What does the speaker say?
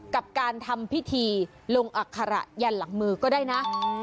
กับการทำพิธีลงอัคระยันหลังมือก็ได้นะ